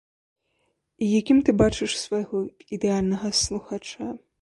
І якім ты бачыш свайго ідэальнага слухача?